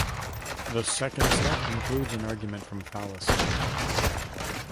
The second step includes an argument from fallacy.